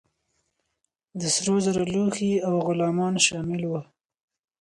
د سرو زرو لوښي او غلامان شامل وه.